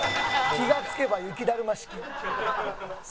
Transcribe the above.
気がつけば雪だるま式。